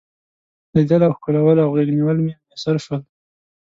لیدل او ښکلول او غیږ نیول مې میسر شول.